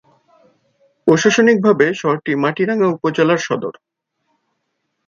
প্রশাসনিকভাবে শহরটি মাটিরাঙ্গা উপজেলার সদর।